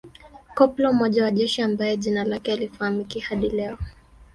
Koplo mmoja wa jeshi ambaye jina lake halijafahamika hadi leo